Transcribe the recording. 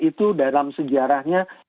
itu dalam sejarahnya